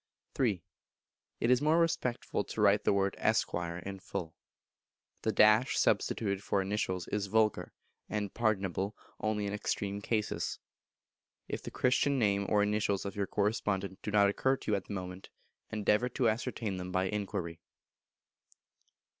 iii. It is more respectful to write the word "Esquire" in full. The substituted for initials is vulgar, and pardonable only in extreme cases; if the Christian name or initials of your correspondent do not occur to you at the moment, endeavour to ascertain them by inquiry.